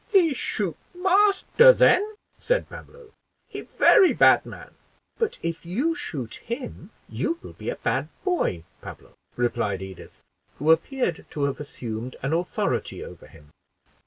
"He shoot master then," said Pablo; "he very bad man." "But if you shoot him, you will be a bad boy, Pablo," replied Edith, who appeared to have assumed an authority over him.